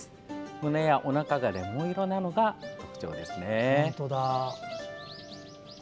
胸やおなかがレモン色なのが特徴ですね。